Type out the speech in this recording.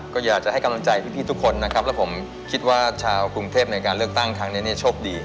ก็อยากจะให้กำลังใจพี่ทุกคนนะครับแล้วผมคิดว่าชาวกรุงเทพในการเลือกตั้งครั้งนี้เนี่ยโชคดี